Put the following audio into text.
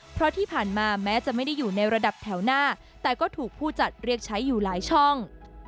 เพราะที่ผ่านมาแม้จะไม่ได้อยู่ในระดับแถวหน้าแต่ก็ถูกผู้จัดเรียกใช้อยู่หลายช่อง